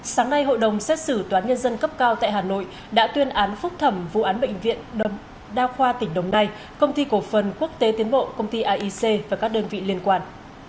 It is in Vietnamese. sáng nay hội đồng xét xử toán nhân dân cấp cao tại hà nội đã tuyên án phúc thẩm vụ án bệnh viện đa khoa tỉnh đồng nai công ty cổ phần quốc tế tiến bộ công ty aic và các đơn vị liên quan